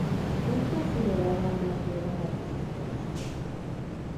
Es considerada una prueba de resistencia.